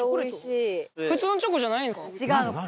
普通のチョコじゃないんです違うの。